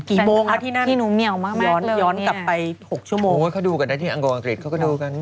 กี่โมงอะที่นั่นย้อนกลับไป๖ชั่วโมงเขาดูกันได้ที่อังกฤษเขาก็ดูกัน